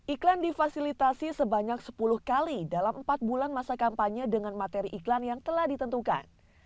iklan difasilitasi sebanyak sepuluh kali dalam empat bulan masa kampanye dengan materi iklan yang telah ditentukan